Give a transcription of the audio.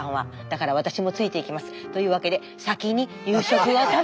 だから私もついていきますというわけで「先に夕食を食べて下さい」。